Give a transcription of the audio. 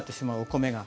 米が。